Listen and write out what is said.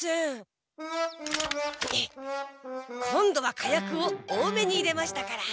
今度は火薬を多めに入れましたから。